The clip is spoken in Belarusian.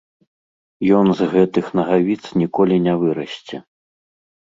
Ён з гэтых нагавіц ніколі не вырасце.